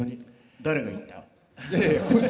誰が言った。